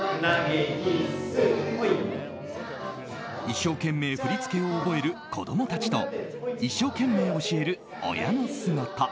一生懸命振り付けを覚える子供たちと一生懸命、教える親の姿。